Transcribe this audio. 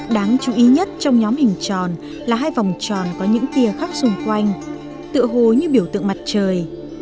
đáng chú ý nhất trong nhóm hình tròn là hai vòng tròn có những tia khắp xung quanh tựa hồ như biểu tượng mặt trời